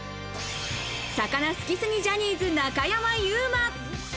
魚好きすぎジャニーズ・中山優馬。